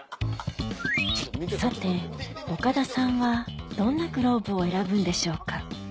さて岡田さんはどんなグローブを選ぶんでしょうか？